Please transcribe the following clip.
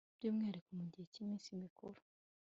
Byumwihariko mu gihe cyiminsi mikuru